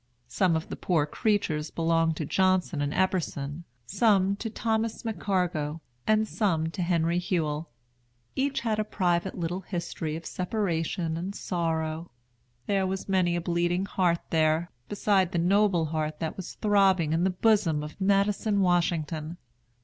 Some of the poor creatures belonged to Johnson and Eperson, some to Thomas McCargo, and some to Henry Hewell. Each had a little private history of separation and sorrow. There was many a bleeding heart there, beside the noble heart that was throbbing in the bosom of Madison Washington.